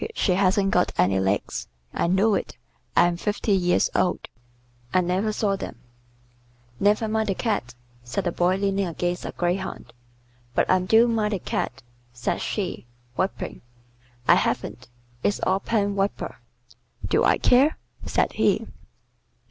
She hasn't got any legs. I know it. I'm fifty years old. I never saw them." "Never mind the Cat," said the Boy leaning against a greyhound. "But I do mind the Cat," said she, weeping. "I haven't. It's all pen wiper." "Do I care?" said he.